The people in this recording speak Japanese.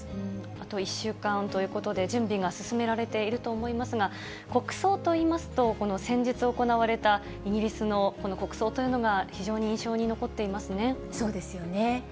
あと１週間ということで、準備が進められていると思いますが、国葬といいますと、この先日行われたイギリスの国葬というのが非常に印象に残っていそうですよね。